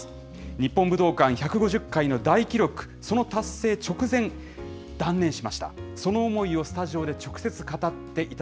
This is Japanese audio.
日本武道館１５０回の大記録、その達成直前、断念しました。